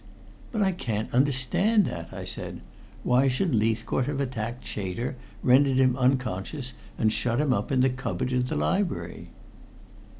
"But I can't understand that," I said. "Why should Leithcourt have attacked Chater, rendered him unconscious, and shut him up in the cupboard in the library?"